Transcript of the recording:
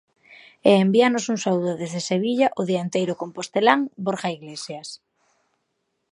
E envíanos un saúdo desde Sevilla o dianteiro compostelán Borja Iglesias.